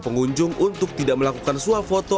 pengunjung untuk tidak melakukan suafoto